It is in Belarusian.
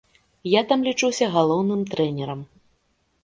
Я там лічуся галоўным трэнерам.